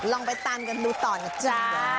ลองไปตามกันดูต่อนะจ๊ะ